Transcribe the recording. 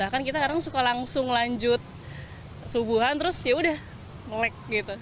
kan kita kadang suka langsung lanjut subuhan terus yaudah melek gitu